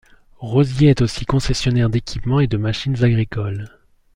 Rosier est aussi concessionnaire d'équipements et de machines agricoles.